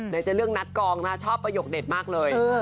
ไหนจะเรื่องนัดกองนะชอบประโยคเด็ดมากเลย